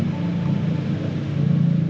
buktiin kalo dia bisa jadi istri yang baik